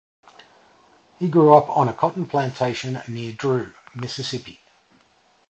He grew up on a cotton plantation near Drew, Mississippi.